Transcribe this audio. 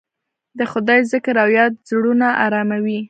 د خدای ذکر او یاد زړونه اراموي.